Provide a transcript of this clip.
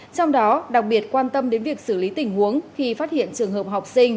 trong đó đặc biệt quan tâm đến việc xử lý tình huống khi phát hiện trường hợp học sinh